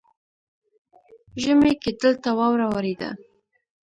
ژمي کې دلته واوره ورېده